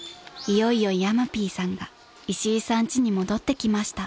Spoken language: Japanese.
いよいよヤマピーさんがいしいさん家に戻ってきました］